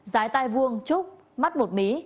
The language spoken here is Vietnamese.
giái tai vuông trúc mắt bột mí